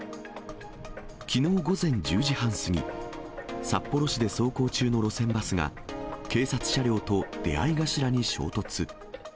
きのう午前１０時半過ぎ、札幌市で走行中の路線バスが、警察車両と出会い頭に衝突。